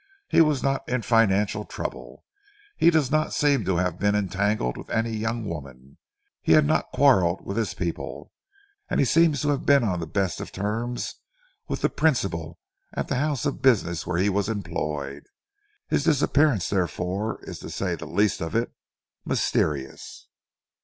He was not in financial trouble, he does not seem to have been entangled with any young woman, he had not quarrelled with his people, and he seems to have been on the best of terms with the principal at the house of business where he was employed. His disappearance, therefore, is, to say the least of it, mysterious."